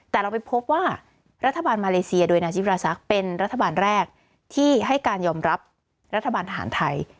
แต่เราไปพบว่ารัฐบาลมาเลเซียโดยนายจิราศักดิ์เป็นรัฐบาลแรกที่ให้การยอมรับรัฐบาลทหารไทย